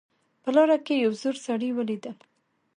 په لاره کې یو زوړ سړی ولیدم